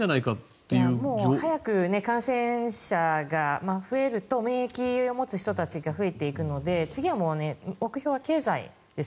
もう早く感染者が増えると免疫を持つ人たちが増えていくので次は目標は経済です。